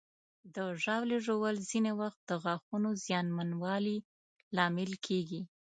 د ژاولې ژوول ځینې وخت د غاښونو زیانمنوالي لامل کېږي.